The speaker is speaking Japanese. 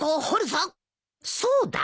そうだ！